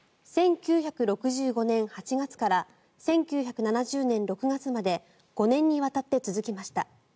１９６５年８月から１９７０年６月まで５年にわたって続きました。